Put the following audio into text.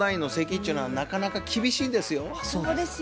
っちゅうのはなかなか厳しいんですよ。